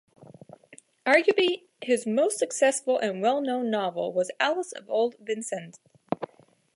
Arguably his most successful and well-known novel was "Alice of Old Vincennes".